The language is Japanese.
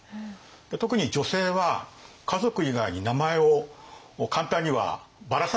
特に女性は家族以外に名前を簡単にはばらさないですね。